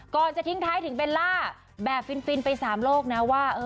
จะทิ้งท้ายถึงเบลล่าแบบฟินไป๓โลกนะว่า